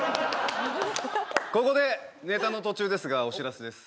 ここでネタの途中ですがお知らせです